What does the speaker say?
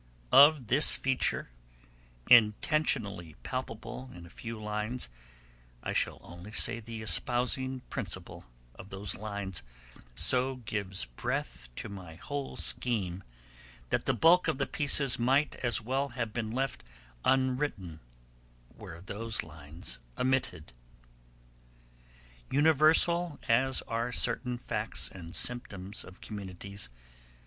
Of this feature, intentionally palpable in a few lines, I shall only say the espousing principle of those lines so gives breath to my whole scheme that the bulk of the pieces might as well have been left unwritten were those lines omitted. ... Universal as are certain facts and symptoms of communities